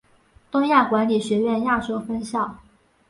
东亚管理学院亚洲分校。